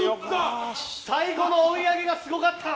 最後の追い上げがすごかった！